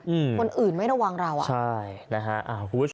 อืมคนอื่นไม่ระวังเราอ่ะใช่นะฮะอ่า